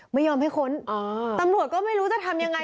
ไม่ยอมให้ค้นตำรวจก็ไม่รู้จะทำยังไง